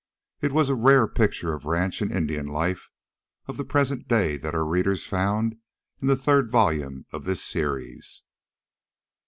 It was a rare picture of ranch and Indian life of the present day that our readers found in the third volume of this series.